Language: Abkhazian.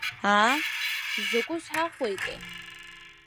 Аа, изакәи сҳәахуеитеи?